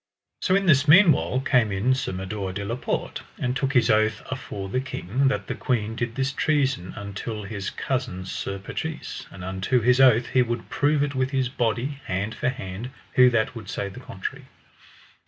So in this meanwhile came in Sir Mador de la Porte, and took his oath afore the king, that the queen did this treason until his cousin Sir Patrise, and unto his oath he would prove it with his body, hand for hand, who that would say the contrary.